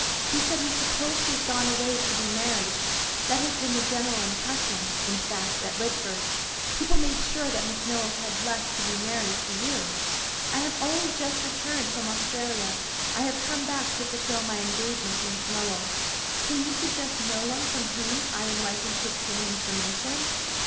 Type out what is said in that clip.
He said he supposed she had gone away to be married. That has been the general impression, in fact, at Lidford. People made sure that Miss Nowell had left to be married to you." "I have only just returned from Australia. I have come back to fulfil my engagement to Miss Nowell. Can you suggest no one from whom I am likely to obtain information?"